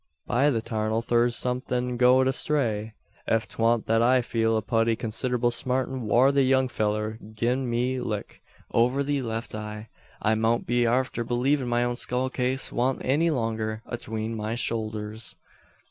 By the 'tarnal thur's somethin' goed astray! Ef 'twa'nt that I feel a putty consid'able smartin' whar the young fellur gin me a lick over the left eye, I mout be arter believin' my own skull case wa'nt any longer atween my shoulders!"